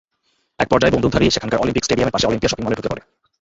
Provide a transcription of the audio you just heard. একপর্যায়ে বন্দুকধারী সেখানকার অলিম্পিক স্টেডিয়ামের পাশে অলিম্পিয়া শপিং মলে ঢুকে পড়ে।